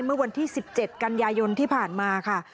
เมื่อวันที่๑๗กันยายนที่ผ่านมาค่ะ